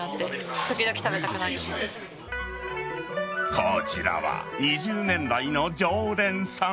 こちらは２０年来の常連さん。